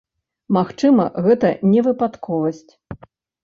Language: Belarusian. Магчыма, гэта не выпадковасць.